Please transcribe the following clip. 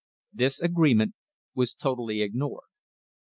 This agreement was totally ignored.